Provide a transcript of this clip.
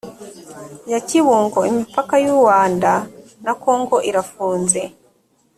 ya kibungo imipaka y uwanda nakongo irafunze